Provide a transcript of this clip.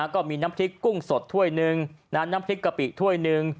ก็มีน้ำพริกกุ้งสดถ้วยหนึ่งน้ำพริกกะปิถ้วยหนึ่ง